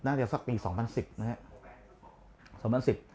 อุ้ยนานแล้วนานเดียวสักปี๒๐๑๐นะฮะ